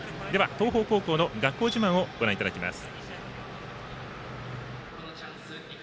東邦高校の学校自慢をご覧いただきます。